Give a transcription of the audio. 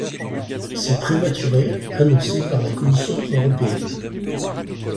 Ces prématurés annoncés par la Commission européenne.